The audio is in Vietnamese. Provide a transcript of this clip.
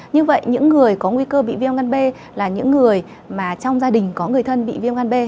như vậy những người có nguy cơ bị viêm gan b là những người mà trong gia đình có người thân bị viêm gan b